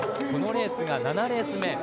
このレースが７レース目。